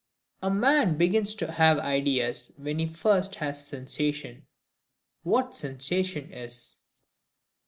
A man begins to have ideas when he first has sensation. What sensation is.